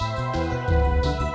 saya juga bers dorong